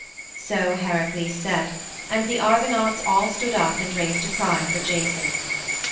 So Heracles said, and the Argonauts all stood up and raised a cry for Jason.